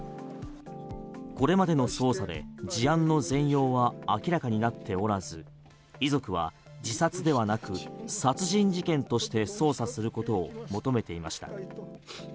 これまでの捜査で事案の全容は明らかになっておらず遺族は、自殺ではなく殺人事件として捜査することを求めていました。